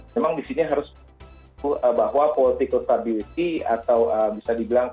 memang di sini harus bahwa political stability atau bisa dibilang